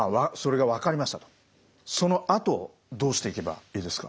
そのあとどうしていけばいいですか？